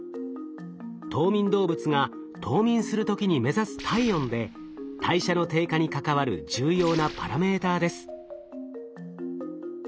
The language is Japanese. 冬眠動物が冬眠する時に目指す体温で代謝の低下に関わる重要なパラメーターです。